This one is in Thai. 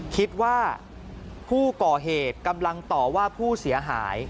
คิดว่าผู้ก่อเหตุกำลังต่อว่าผู้เสียหาย